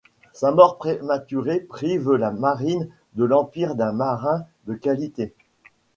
Sa mort prématurée prive la marine de l’Empire d'un marin de qualité.